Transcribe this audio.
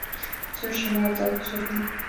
Тӱржымат от тӱрлӧ.